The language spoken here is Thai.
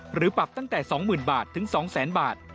หรือปรับตั้งแต่๒๐๐๐บาทถึง๒๐๐๐บาท